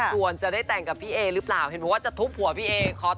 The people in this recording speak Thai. ส่วนจะได้แต่งกับพี่เอทีนภัณฑ์หรือเปล่าเห็นไหมว่าจะทุบหัวพี่เอทีนภัณฑ์